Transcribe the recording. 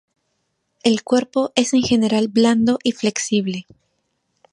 El cuerpo es en general blando y flexible.